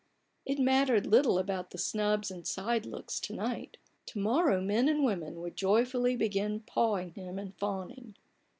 It mattered little about snubs and side looks to night: to morrow men and women would joyfully begin pawing him and fawning.